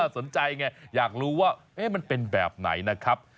สนใจไงอยากรู้ว่ามันเป็นแบบไหนนะครับ